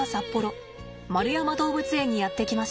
円山動物園にやって来ました。